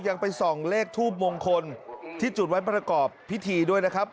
ยังไปส่องเลขทูบมงคลที่จุดไว้ประกอบพิธีด้วยนะครับ